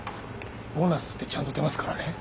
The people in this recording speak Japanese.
ボーナスだってちゃんと出ますからね。